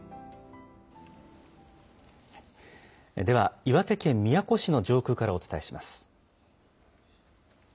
では岩手県宮古市の上空からお伝えします。